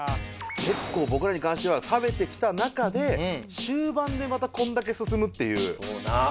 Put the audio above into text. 結構僕らに関しては食べてきた中で終盤でまたこんだけ進むっていう。